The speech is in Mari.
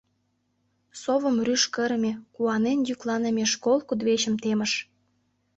Совым рӱж кырыме, куанен йӱкланыме школ кудывечым темыш.